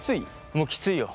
もうきついよ。